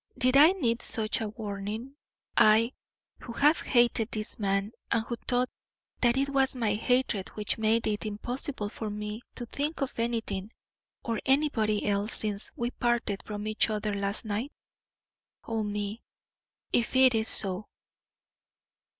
Did I need such a warning, I, who have hated this man, and who thought that it was my hatred which made it impossible for me to think of anything or anybody else since we parted from each other last night? O me, if it is so!"